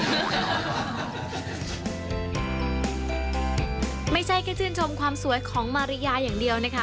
แกฉันชั่นชมความสวยของมาริยาอย่างเดียวนะคะ